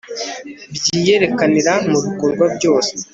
byiyerekanire mu bikorwa byose